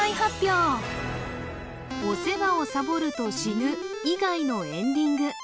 お世話をサボると死ぬ以外のエンディング